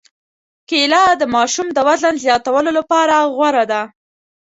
کېله د ماشوم د وزن زیاتولو لپاره غوره ده.